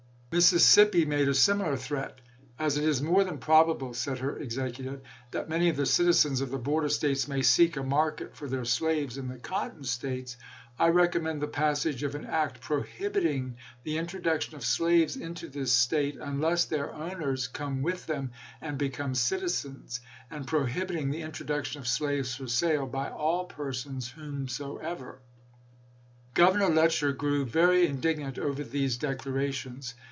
Mississippi made a similar threat. "As it is more than probable," said her executive, " that many of the citizens of the border States may seek a market for their slaves in the Cotton States, I recommend the passage of an act prohibiting the introduction of slaves into this State unless their owners come with them and become citizens, and prohibiting the introduction of slaves for sale by all persons whomsoever." Governor Letcher grew very indignant over these declarations.